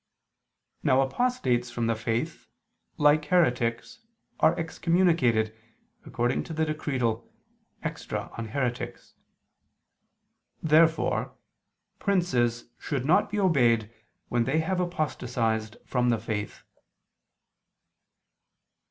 Now apostates from the faith, like heretics, are excommunicated, according to the Decretal [*Extra, De Haereticis, cap. Ad abolendam]. Therefore princes should not be obeyed when they have apostatized from the faith.